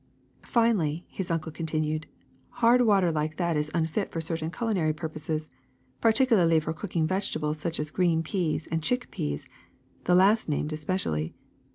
'^ ''Finally,'' his uncle continued, ''hard water like that is unfit for certain culinary purposes, partic ularly cooking vegetables such as green peas, and chick peas — the last named especially.